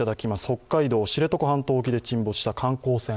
北海道・知床半島沖で沈没した観光船「ＫＡＺＵⅠ」。